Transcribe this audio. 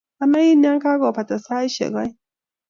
Anain ya kakubata saisiek oeng'